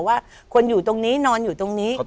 ว่าคนอยู่ตรงนี้นอนอยู่ตรงนี้